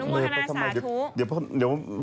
เดี๋ยวพ่อท่านพนม